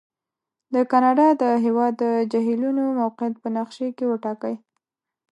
د کاناډا د هېواد د جهیلونو موقعیت په نقشې کې وټاکئ.